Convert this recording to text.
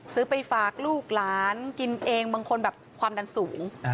ไปฝากลูกหลานกินเองบางคนแบบความดันสูง